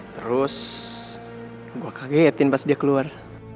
terus gue kagetin pas dia keluar